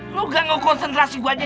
lu ga ngekonsentrasi gua aja